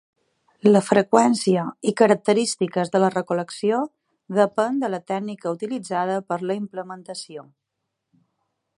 La freqüència i característiques de la recol·lecció depèn de la tècnica utilitzada per la implementació.